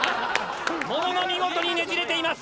ものの見事にねじれています。